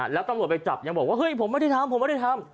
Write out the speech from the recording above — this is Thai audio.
แล้วตำรวจไปจับยังบอกว่าเฮ้ยผมไม่ได้ทำ